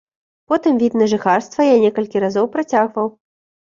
Потым від на жыхарства я некалькі разоў працягваў.